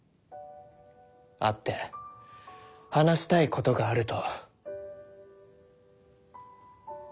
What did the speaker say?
会って話したいことがあると。